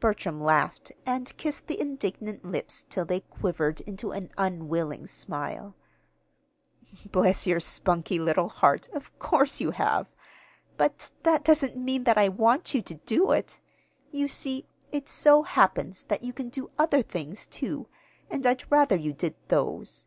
Bertram laughed, and kissed the indignant lips till they quivered into an unwilling smile. "Bless your spunky little heart, of course you have! But that doesn't mean that I want you to do it. You see, it so happens that you can do other things, too; and I'd rather you did those.